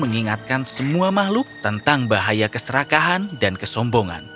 mengingatkan semua makhluk tentang bahaya keserakahan dan kesombongan